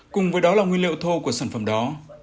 cùng với đó là nguyên liệu thô của sản phẩm đó